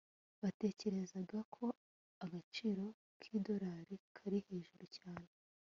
batekerezaga ko agaciro k'idolari kari hejuru cyane